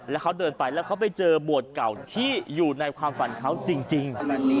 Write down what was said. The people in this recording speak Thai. แล้วเขาเดินไปแล้วเขาไปเจอบวชเก่าที่อยู่ในความฝันเขาจริง